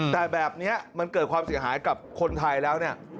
แต่แบบนี้มันเกิดความเสียหายกับคนไทยแล้วเนี่ย